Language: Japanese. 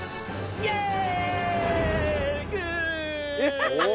イエーイ！